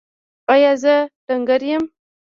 ایا زه ډنګر یم؟